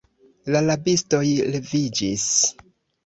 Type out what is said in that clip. La rabistoj leviĝis.